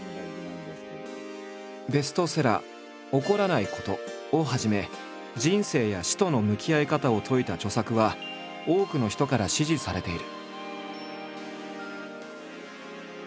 ベストセラー「怒らないこと」をはじめ人生や死との向き合い方を説いた著作は多くの人から支持されている。